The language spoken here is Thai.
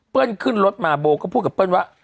ขึ้นรถมาโบก็พูดกับเปิ้ลว่า